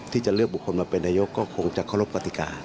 ที่จะเลือกบุคคลมาเป็นนายกก็คงจะเคารพกติกา